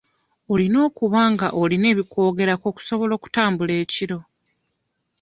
Olina okuba nga olina ebikwogerako okusobola okutambula ekiro.